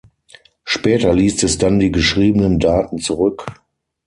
Später liest es dann die geschriebenen Daten zurück.